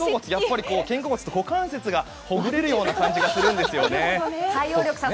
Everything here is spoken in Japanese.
肩甲骨と股関節がほぐれるような感じがするんですね。